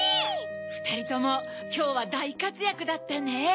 ふたりともきょうはだいかつやくだったね。